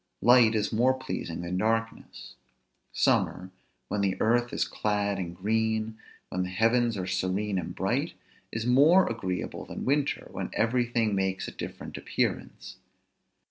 Light is more pleasing than darkness. Summer, when the earth is clad in green, when the heavens are serene and bright, is more agreeable than winter, when everything makes a different appearance.